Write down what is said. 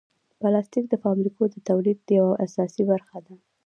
پلاستيک د فابریکو د تولید یوه اساسي برخه ده.